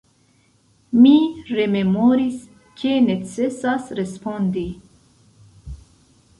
Mi rememoris, ke necesas respondi.